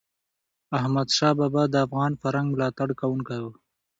احمدشاه بابا د افغان فرهنګ ملاتړ کوونکی و.